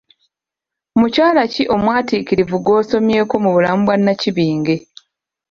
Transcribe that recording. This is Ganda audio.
Mukyala ki omwatiikirivu gw'osomyeko mu bulamu bwa Nnakibinge ?